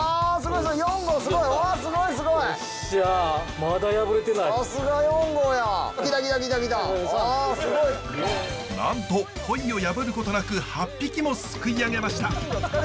なんとポイを破ることなく８匹もすくい上げました。